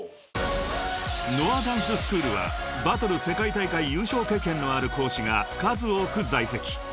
［ＮＯＡダンススクールはバトル世界大会優勝経験のある講師が数多く在籍］